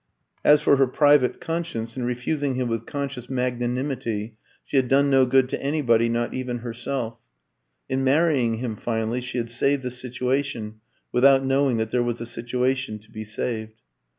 As for her private conscience, in refusing him with conscious magnanimity she had done no good to anybody, not even herself; in marrying him finally she had saved the situation, without knowing that there was a situation to be saved.